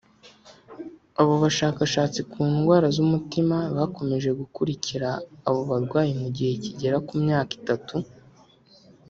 Abo bashakashatsi ku ndwara z’umutima bakomeje gukurikira abo barwayi mu gihe kigera ku myaka itatu